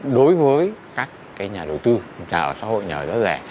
đối với các nhà đầu tư nhà ở xã hội nhà ở giá rẻ